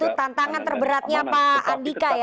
itu tantangan terberatnya pak andika ya